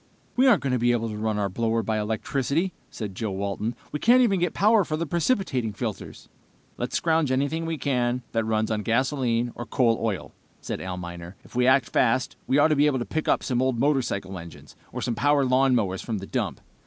"We aren't going to be able to run our blower by electricity," said Joe Walton. "We can't even get power for the precipitating filters." "Let's scrounge anything we can find that runs on gasoline or coal oil," said Al Miner. "If we act fast we ought to be able to pick up some old motorcycle engines or some power lawn mowers from the dump.